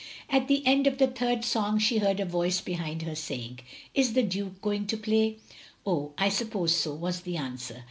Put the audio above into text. At the end of the third song she heard a voice behind her saying, "Is the Duke going to play?" "Oh, I suppose so," was the answer.